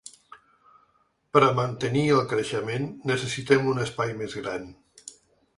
Per a mantenir el creixement necessitem un espai més gran.